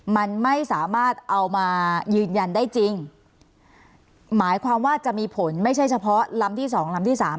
มันไม่สามารถเอามายืนยันได้จริงหมายความว่าจะมีผลไม่ใช่เฉพาะลำที่สองลำที่สาม